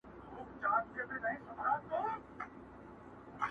جل وهلی سوځېدلی د مودو مودو راهیسي،